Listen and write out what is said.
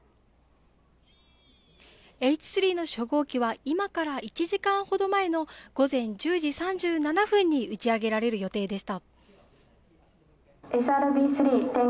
Ｈ３の初号機は今から１時間ほど前の午前１０時３７分に打ち上げられる予定でした。